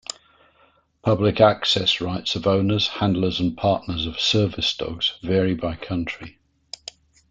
Public access rights of owners, handlers, and partners of service dogs vary by country.